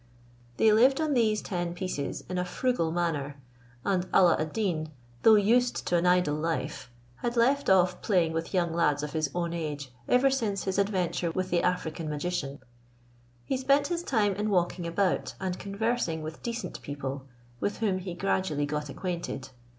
They lived on these ten pieces in a frugal manner, and Alla ad Deen, though used to an idle life, had left off playing with young lads of his own age ever since his adventure with the African magician. He spent his time in walking about, and conversing with decent people, with whom he gradually got acquainted.